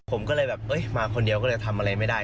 ผมก็เลยแบบมาคนเดียวก็เลยทำอะไรไม่ได้